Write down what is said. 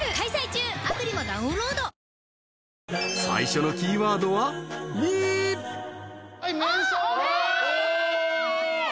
［最初のキーワードは「に」］え！